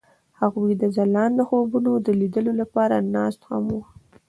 هغوی د ځلانده خوبونو د لیدلو لپاره ناست هم وو.